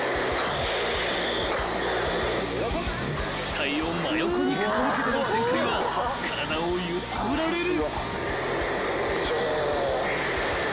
［機体を真横に傾けての旋回は体を揺さぶられる］